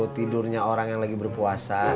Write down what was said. tidurnya orang yang lagi berpuasa